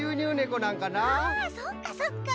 そっかそっか。